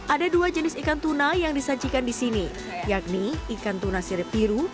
ada dua jenis ikan tuna yang disajikan di sini yakni ikan tuna sirip biru